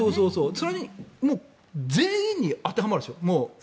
それに全員に当てはまるでしょ。